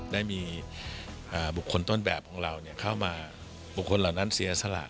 ได้มีบุคคลต้นแบบของเราเข้ามาบุคคลเหล่านั้นเสียสละ